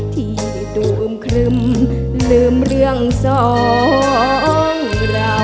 ที่ตูมครึมลืมเรื่องสองรา